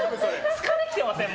疲れてません？